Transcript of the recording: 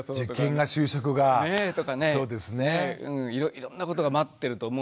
いろんなことが待ってると思うので。